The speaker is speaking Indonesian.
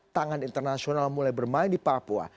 tangan internasional mulai bermain di papua